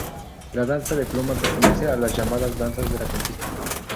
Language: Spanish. La danza de pluma pertenece a las llamadas danzas de la conquista.